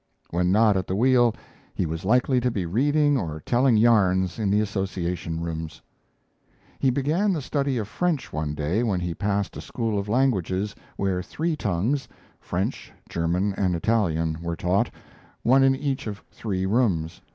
When not at the wheel, he was likely to be reading or telling yarns in the Association Rooms. He began the study of French one day when he passed a school of languages, where three tongues, French, German, and Italian, were taught, one in each of three rooms.